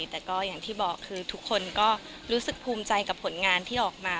แต่ก็อย่างที่บอกคือทุกคนก็รู้สึกภูมิใจกับผลงานที่ออกมา